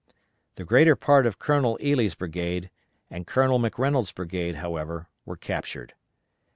The greater part of Colonel Ely's brigade, and Colonel McReynolds' brigade, however, were captured.